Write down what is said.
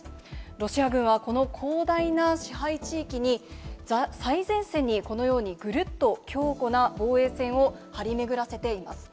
ロシア軍はこの広大な支配地域に、最前線にこのように、ぐるっと強固な防衛線を張り巡らせています。